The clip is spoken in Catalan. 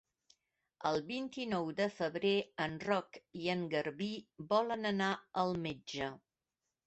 El vint-i-nou de febrer en Roc i en Garbí volen anar al metge.